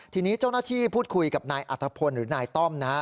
ทีนี้เจ้าหน้าที่พูดคุยกับนายอัธพลหรือนายต้อมนะฮะ